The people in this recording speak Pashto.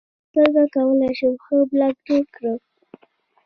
څنګه کولی شم ښه بلاګ جوړ کړم